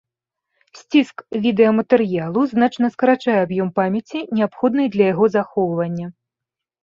Сціск відэаматэрыялу значна скарачае аб'ём памяці, неабходны для яго захоўвання.